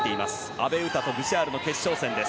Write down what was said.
阿部詩とブシャールの決勝戦です。